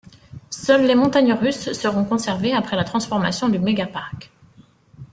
Seules les montagnes russes seronts conservées après la transformation du Méga Parc.